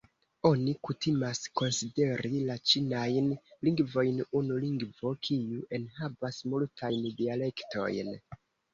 Oni kutimas konsideri la ĉinajn lingvojn unu lingvo, kiu enhavas multajn dialektojn.